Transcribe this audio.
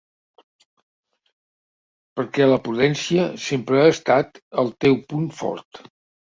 Perquè la prudència sempre ha estat el teu punt fort.